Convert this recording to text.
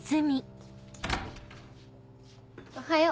おはよう。